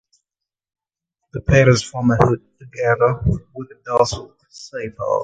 The petals form a hood together with the dorsal sepal.